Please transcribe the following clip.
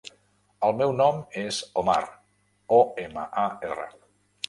El meu nom és Omar: o, ema, a, erra.